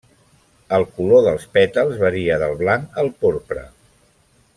El color dels pètals varia del blanc al porpra.